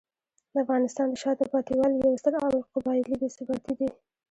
د افغانستان د شاته پاتې والي یو ستر عامل قبایلي بې ثباتي دی.